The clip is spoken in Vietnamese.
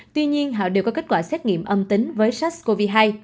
tuy nhiên họ đều có kết quả xét nghiệm âm tính với sars cov hai